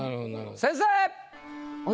先生！